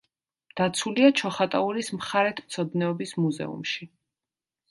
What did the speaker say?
დაცულია ჩოხატაურის მხარეთმცოდნეობის მუზეუმში.